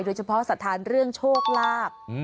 โดยเฉพาะศรัทธาเรื่องโชคลาบ